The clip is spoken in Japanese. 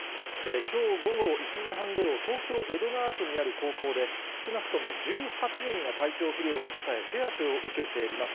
きょう午後１時半ごろ、東京・江戸川区にある高校で、少なくとも１８人が体調不良を訴え、手当てを受けています。